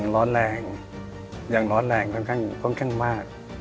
ร้อนแรงค่อนข้างมาก